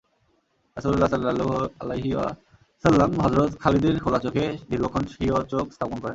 রাসূল সাল্লাল্লাহু আলাইহি ওয়াসাল্লাম হযরত খালিদের খোলা চোখে দীর্ঘক্ষণ স্বীয় চোখ স্থাপন করেন।